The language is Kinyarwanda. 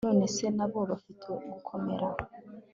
Nonese nabo bafite gukomera